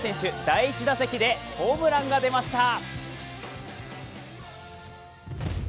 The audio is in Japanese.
第１打席でホームランが出ました。